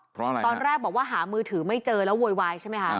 เพราะอะไรตอนแรกบอกว่าหามือถือไม่เจอแล้วโวยวายใช่ไหมคะ